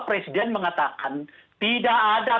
presiden mengatakan tidak ada